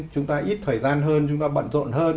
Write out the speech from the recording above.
chúng ta ít thời gian hơn chúng ta bận rộn hơn